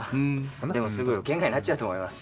でもすぐ圏外になっちゃうと思います。